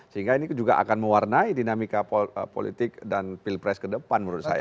sehingga ini juga akan mewarnai dinamika politik dan pilpres ke depan menurut saya